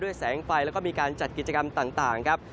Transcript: แสงไฟแล้วก็มีการจัดกิจกรรมต่างครับ